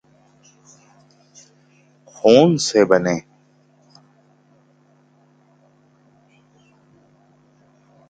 خون سے بننے